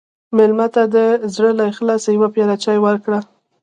مېلمه ته د زړه له اخلاصه یوه پیاله چای ورکړه.